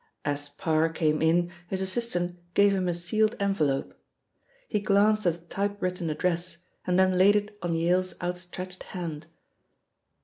As Parr came in his assistant gave him a sealed envelope. He glanced at the typewritten address, and then laid it on Yale's outstretched hand.